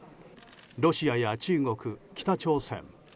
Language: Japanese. ロシアや中国、北朝鮮。